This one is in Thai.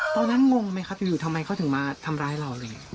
งงไหมครับอยู่ทำไมเขาถึงมาทำร้ายเราเลย